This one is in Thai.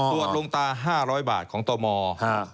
ตรวจลงตา๕๐๐บาทของต่อมอล์